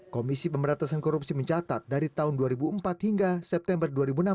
komisi pemberantasan korupsi mencatat dari tahun dua ribu empat hingga september dua ribu enam belas